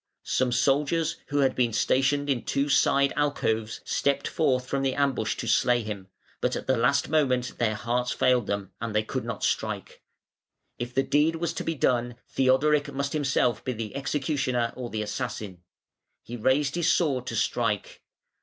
Some soldiers who had been stationed in two side alcoves stepped forth from the ambush to slay him, but at the last moment their hearts failed them, and they could not strike. If the deed was to be done, Theodoric must himself be the executioner or the assassin. He raised his sword to strike.